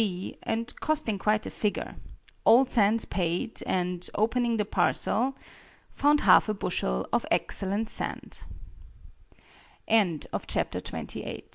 D.," and costing quite a figure. "Old Sands" paid, and opening the parcel, found half a bushel of excellent sand. CHAPTER XXIX. THE CONSUMPTIVE REMEDY. E.